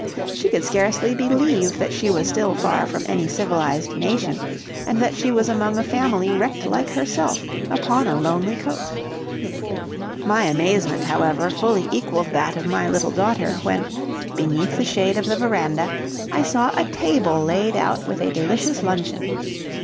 She could scarcely believe that she was still far from any civilized nation, and that she was among a family wrecked like herself upon a lonely coast. My amazement, however, fully equaled that of my little daughter when, beneath the shade of the veranda, I saw a table laid out with a delicious luncheon.